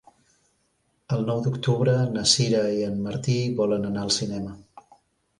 El nou d'octubre na Sira i en Martí volen anar al cinema.